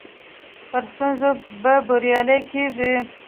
پر ستونزو به بريالي کيږو.